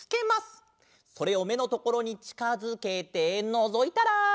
それをめのところにちかづけてのぞいたら。